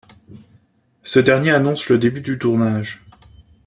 Ce dernier annonce le début du tournage.